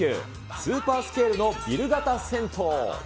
スーパースケールのビル型銭湯。